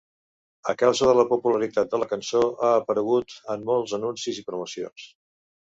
A causa de la popularitat de la cançó, ha aparegut en molts anuncis i promocions.